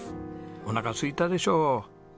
おなかすいたでしょう。